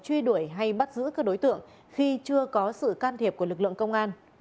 truy đuổi hay bắt giữ các đối tượng khi chưa có sự can thiệp của lực lượng công an